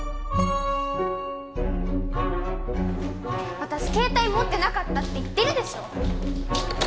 私携帯持ってなかったって言ってるでしょ！